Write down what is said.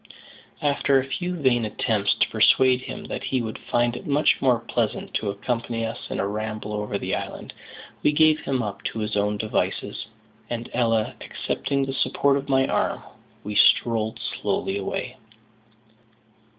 After a few vain attempts to persuade him that he would find it much more pleasant to accompany us in a ramble over the island, we gave him up to his own devices; and, Ella accepting the support of my arm, we strolled slowly away.